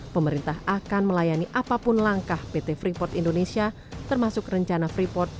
pemerintah akan melayani apapun langkah pt freeport indonesia termasuk rencana freeport